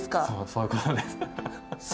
そういうことです。